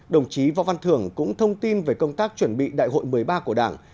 đồng chí võ văn thường cũng thông tin về công tác chuẩn bị đại hội một mươi ba của đảng